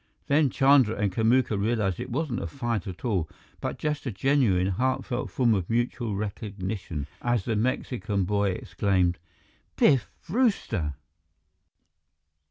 Then Chandra and Kamuka realized that it wasn't a fight at all, but just a genuine, heartfelt form of mutual recognition, as the Mexican boy exclaimed: "Biff Brewster!"